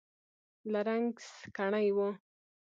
له رنګ سکڼۍ و.